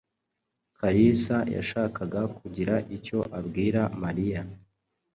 Kalisa yashakaga kugira icyo abwira Mariya.